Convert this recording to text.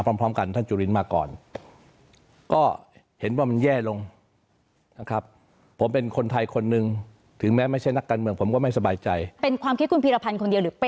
เป็นความคิดคุณพีรพันธ์คนเดียวหรือเป็นแนวทางวิธีที่ของพรรคด้วย